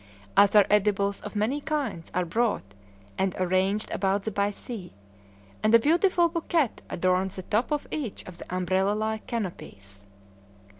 Other edibles of many kinds are brought and arranged about the baisêe, and a beautiful bouquet adorns the top of each of the umbrella like canopies.